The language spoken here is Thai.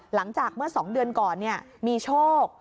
หลังจากเมื่อ๒เดือนก่อนมีโชค